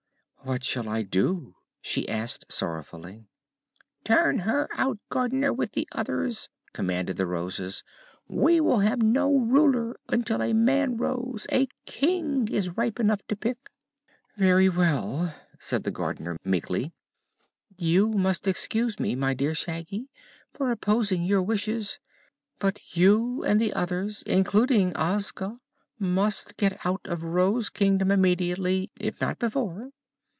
"What shall I do?" she asked sorrowfully. "Turn her out, Gardener, with the others!" commanded the Roses. "We will have no Ruler until a man rose a King is ripe enough to pick." "Very well," said the Gardener meekly. "You must excuse me, my dear Shaggy, for opposing your wishes, but you and the others, including Ozga, must get out of Rose Kingdom immediately, if not before."